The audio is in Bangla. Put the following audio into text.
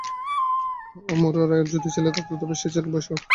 অমুধার যদি ছেলে থাকত, তবে সে এই ছেলের বয়সী হতো।